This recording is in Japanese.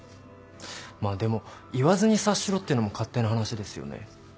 まあでも言わずに察しろってのも勝手な話ですよね。